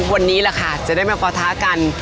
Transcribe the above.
วันนี้แหละค่ะจะได้มาปะทะกัน